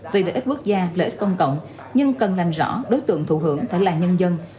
vì lợi ích quốc gia lợi ích công cộng nhưng cần làm rõ đối tượng thụ hưởng phải là nhân dân